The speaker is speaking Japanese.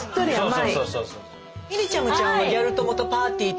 はい。